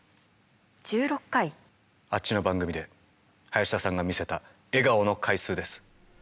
あっちの番組で林田さんが見せた笑顔の回数です。